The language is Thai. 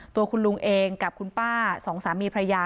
ตัวคุณลุงเองกับคุณป้าสองสามีพระยา